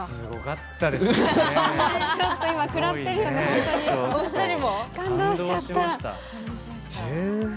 すごかったです、本当に。